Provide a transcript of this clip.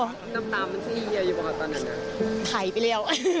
หายไปแล้ว